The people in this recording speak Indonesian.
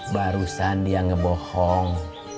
barusan dia ngebohong